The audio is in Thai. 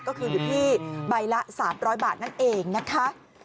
ก็คืออยู่ที่ใบละ๓๐๐บาทนั่นเองนะคะ